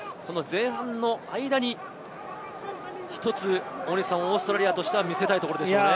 前半の間に一つオーストラリアとしては見せたいところでしょうね。